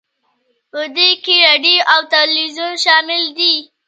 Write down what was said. په دې کې راډیو او تلویزیون شامل دي